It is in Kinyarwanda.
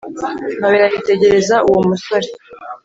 nowela yitegereza uwomusore